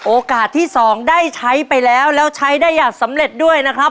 โอกาสที่สองได้ใช้ไปแล้วแล้วใช้ได้อย่างสำเร็จด้วยนะครับ